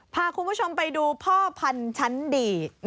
พาคุณผู้ชมไปดูพ่อพันธุ์ชั้นดี